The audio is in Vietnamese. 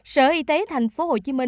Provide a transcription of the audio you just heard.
sở y tế tp hcm